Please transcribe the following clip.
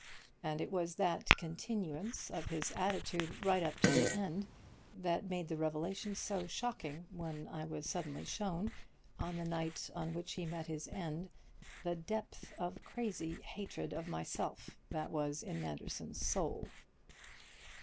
And it was that continuance of his attitude right up to the end that made the revelation so shocking when I was suddenly shown, on the night on which he met his end, the depth of crazy hatred of myself that was in Manderson's soul."